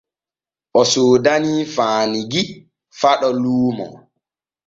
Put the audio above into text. O soodanii Faanugui Faɗo luumo.